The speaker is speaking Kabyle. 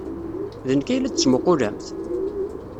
D nekk ay la d-tettmuqqulemt?